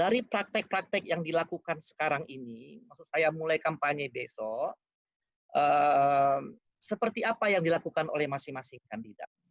dari praktek praktek yang dilakukan sekarang ini maksud saya mulai kampanye besok seperti apa yang dilakukan oleh masing masing kandidat